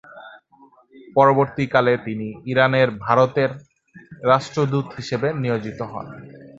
পরবর্তীকালে তিনি ইরানে ভারতের রাষ্ট্রদূত হিসেবে নিয়োজিত হন।